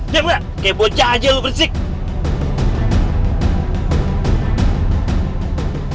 coba kayak bocah aja lu bersih